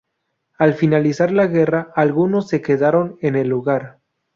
Al finalizar la guerra, algunos se quedaron en el lugar.